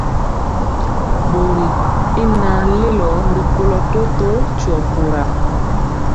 Bori y naŋ lelo rikolo totó tio pura.